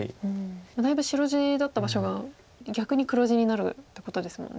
だいぶ白地だった場所が逆に黒地になるってことですもんね。